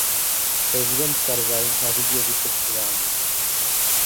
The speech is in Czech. Prezident Karzaj nařídil vyšetřování.